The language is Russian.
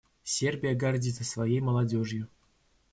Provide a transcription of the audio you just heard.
Сербия гордится своей молодежью.